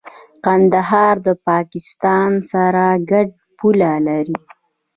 کندهار د پاکستان سره ګډه پوله لري.